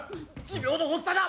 持病の発作だ。